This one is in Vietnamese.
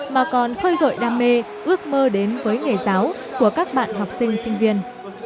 mà còn khơi gợi đam mê ước mơ đến với nghề giáo của các bạn học sinh sinh viên